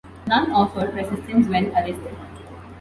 None offered resistance when arrested.